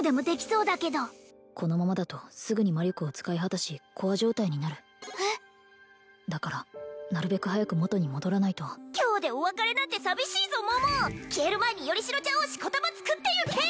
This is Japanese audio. このままだとすぐに魔力を使い果たしコア状態になるだからなるべく早く元に戻らないと今日でお別れなんて寂しいぞ桃消える前によりしろちゃんをしこたま作ってゆけ！